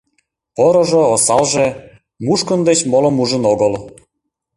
Порыжо, осалже — мушкындо деч молым ужын огыл...